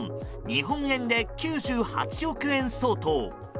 日本円で９８億円相当。